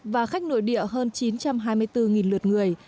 và khách nội địa hơn chín trăm hai mươi bốn lượt người